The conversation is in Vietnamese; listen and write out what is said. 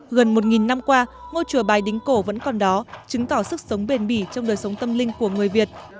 gần một năm qua ngôi chùa bài đính cổ vẫn còn đó chứng tỏ sức sống bền bỉ trong đời sống tâm linh của người việt